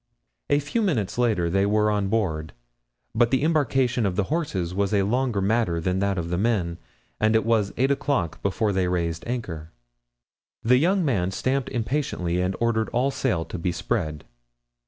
A few minutes later they were on board, but the embarkation of the horses was a longer matter than that of the men, and it was eight o'clock before they raised anchor. The young man stamped impatiently and ordered all sail to be spread.